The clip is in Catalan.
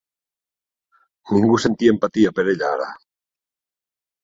Ningú sentia empatia per ella ara.